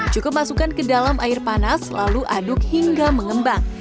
cukup masukkan ke dalam air panas lalu aduk hingga mengembang